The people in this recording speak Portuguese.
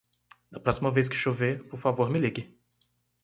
Da próxima vez que chover, por favor me ligue.